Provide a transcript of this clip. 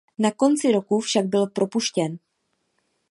Na konci roku však byl propuštěn.